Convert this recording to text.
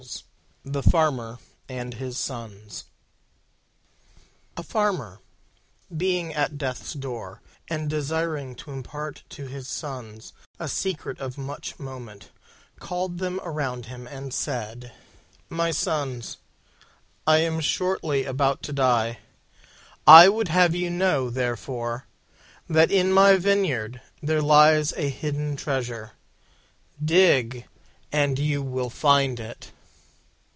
THE FARMER AND HIS SONS A Farmer, being at death's door, and desiring to impart to his Sons a secret of much moment, called them round him and said, "My sons, I am shortly about to die; I would have you know, therefore, that in my vineyard there lies a hidden treasure. Dig, and you will find it."